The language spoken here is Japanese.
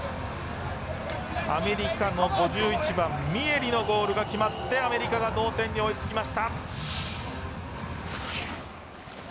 アメリカの５１番ミエリのゴールが決まってアメリカが同点に追いつきました。